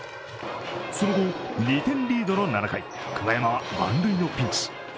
その後、２点リードの７回、久我山は満塁のピンチ。